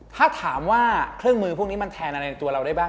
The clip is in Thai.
ถ้าถามว่าเครื่องมือพวกนี้มันแทนอะไรในตัวเราได้บ้าง